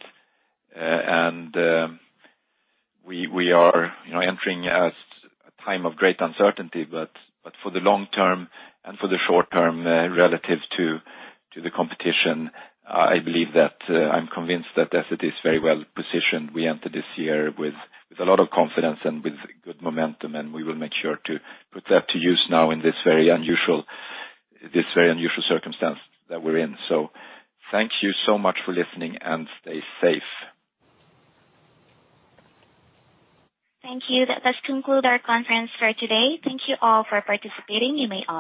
We are entering a time of great uncertainty, but for the long term and for the short term relative to the competition, I believe that I'm convinced that Essity is very well-positioned. We entered this year with a lot of confidence and with good momentum, and we will make sure to put that to use now in this very unusual circumstance that we're in. Thank you so much for listening, and stay safe. Thank you. That does conclude our conference for today. Thank you all for participating. You may all-